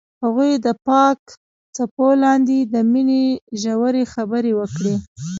هغوی د پاک څپو لاندې د مینې ژورې خبرې وکړې.